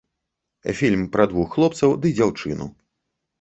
Фільм пра двух хлопцаў ды дзяўчыну.